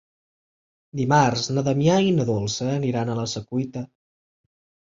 Dimarts na Damià i na Dolça aniran a la Secuita.